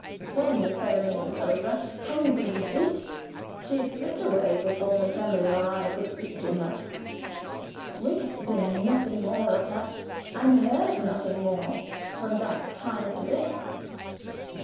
When the ceremony was over can you believe it? she slipped away before Miss Emily or I could speak to her. We have seen nothing more of her, and heard nothing more, from that time to this."